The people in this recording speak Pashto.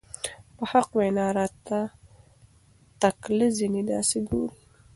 په حق وېنا راته تکله ځينې داسې ګوري